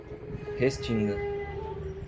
Restinga